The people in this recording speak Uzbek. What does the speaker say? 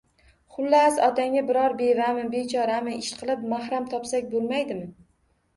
Xullas, otangga biror bevami, bechorami, ishqilib mahram topmasak bo`lmaydi